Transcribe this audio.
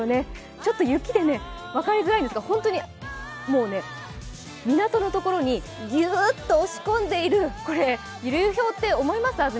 ちょっと雪で分かりづらいんですが、本当に港のところにぎゅーっと押し込んでいる、これ、流氷って思います？